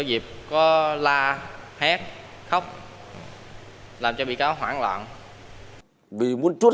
nhưng tôi không biết